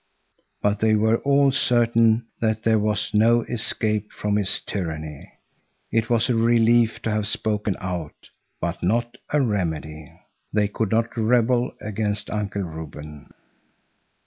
But they were all certain that there was no escape from his tyranny. It was a relief to have spoken out, but not a remedy. They could not rebel against Uncle Reuben.